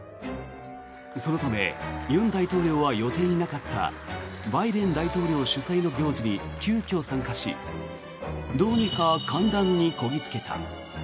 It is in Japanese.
そのため尹大統領は予定になかったバイデン大統領主催の行事に急きょ参加しどうにか歓談にこぎ着けた。